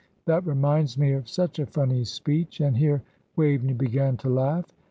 That reminds me of such a funny speech" and here Waveney began to laugh.